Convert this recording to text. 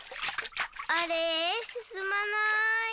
あれすすまない。